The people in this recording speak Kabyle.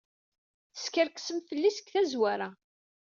Teskerksem fell-i seg tazwara.